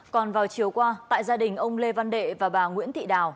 còn vào chiều qua tại gia đình ông lê văn đệ và bà nguyễn thị đào